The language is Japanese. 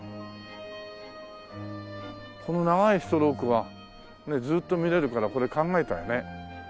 この長いストロークはずっと見られるからこれ考えたよね。